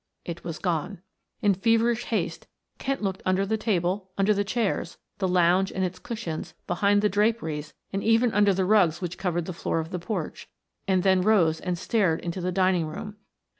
It was gone. In feverish haste Kent looked under the table, under the chairs, the lounge and its cushions, behind the draperies, and even under the rugs which covered the floor of the porch, and then rose and stared into the dining room.